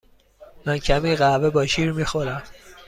من کمی قهوه با شیر می خورم.